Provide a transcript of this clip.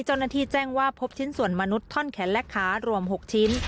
เจ้าหน้าที่แจ้งว่าพบชิ้นส่วนมนุษย์ท่อนแขนและขารวม๖ชิ้น